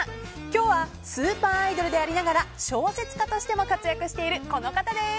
今日はスーパーアイドルでありながら小説家としても活躍しているこの方です。